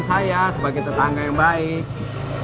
sebagai tetangga yang baik